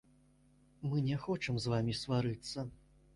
Мы не хочам з вамі сварыцца.